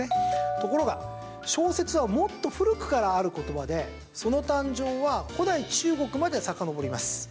ところが小説はもっと古くからある言葉でその誕生は古代中国までさかのぼります。